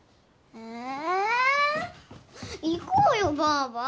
え行こうよばあば。